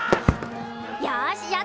よし！